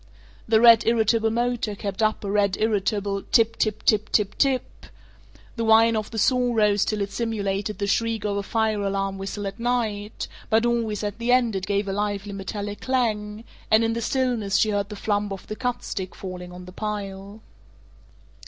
The red irritable motor kept up a red irritable "tip tip tip tip tip tip." The whine of the saw rose till it simulated the shriek of a fire alarm whistle at night, but always at the end it gave a lively metallic clang, and in the stillness she heard the flump of the cut stick falling on the pile.